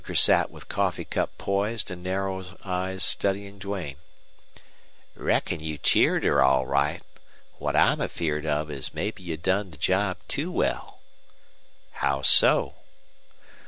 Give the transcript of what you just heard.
Euchre sat with coffee cup poised and narrow eyes studying Duane. "Reckon you cheered her, all right. What I'm afeared of is mebbe you done the job too well." "How so?"